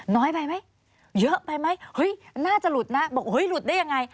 น้อยไปไหมเยอะไปไหมเฮ้ยน่าจะหลุดนะบอกเฮ้ยหลุดได้ยังไง